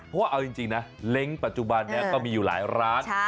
เพราะว่าเอาจริงนะเล้งปัจจุบันนี้ก็มีอยู่หลายร้าน